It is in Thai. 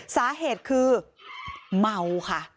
สาเหตุคือเมาค่ะ